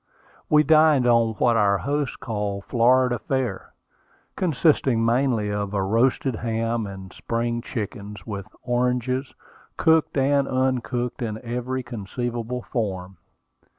We dined on what our host called Florida fare, consisting mainly of a roasted ham and spring chickens, with oranges, cooked and uncooked, in every conceivable form.